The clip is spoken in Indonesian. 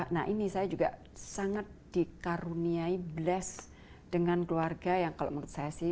nah ini saya juga sangat dikaruniai bless dengan keluarga yang kalau menurut saya sih